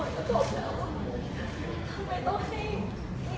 มีการแถลงข่าวอะไรใหญ่ของเขาขนาดนี้